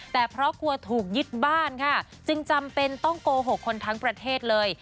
แต่เพราะกลัวถูกยึดบ้านค่ะจึงจำเป็นต้องโกหกคนทั้งประเทศเลย